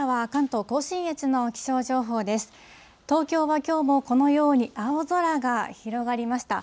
東京はきょうもこのように青空が広がりました。